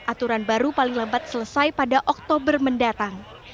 aturan baru paling lambat selesai pada oktober mendatang